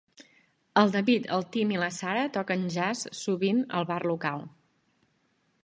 El David, el Tim i la Sarah toquen jazz sovint al bar local.